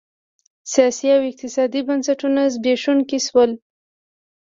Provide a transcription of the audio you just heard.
سیاسي او اقتصادي بنسټونه زبېښونکي شول